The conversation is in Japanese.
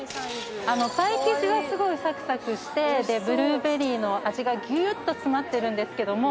パイ生地はすごいさくさくしてブルーベリーの味がぎゅっと詰まってるんですけども。